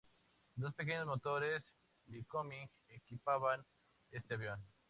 Dos pequeños motores "Lycoming" equipaban este avión.